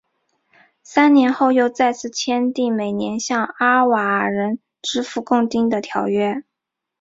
三年后又再次签订每年向阿瓦尔人支付贡金的条约。